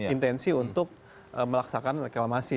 intensi untuk melaksakan reklamasi